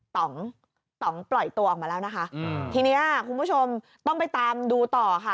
ต่องต่องปล่อยตัวออกมาแล้วนะคะอืมทีเนี้ยคุณผู้ชมต้องไปตามดูต่อค่ะ